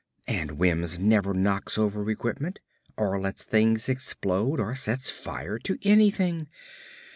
And Wims never knocks over equipment, or lets things explode, or sets fire to anything.